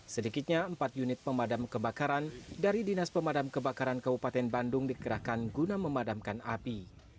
sedikitnya empat unit pemadam kebakaran dari dinas pemadam kebakaran kabupaten bandung dikerahkan guna memadamkan api